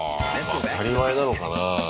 当たり前なのかな？